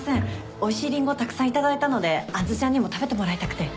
おいしいリンゴたくさん頂いたので杏ちゃんにも食べてもらいたくて。